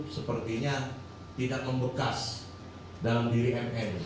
sepertinya tidak membekas dalam diri mn